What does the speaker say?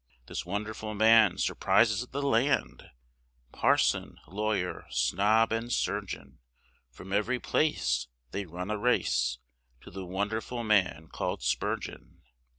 This wonderful man surprises the land, Parson, lawyer, snob, and surgeon, From every place they run a race, To the wonderful man call'd Spurgeon.